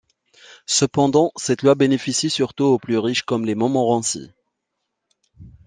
Cependant, cette loi bénéficie surtout aux plus riches comme les Montmorency.